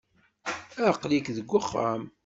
Aql-ik deg wexxam?